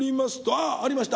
あっありました！